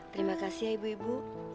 terima kasih ya ibu ibu